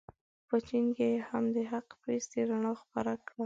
په چین کې یې هم د حق پرستۍ رڼا خپره کړه.